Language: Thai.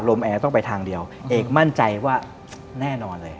แอร์ต้องไปทางเดียวเอกมั่นใจว่าแน่นอนเลย